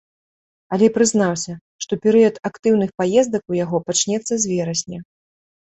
Але прызнаўся, што перыяд актыўных паездак у яго пачнецца з верасня.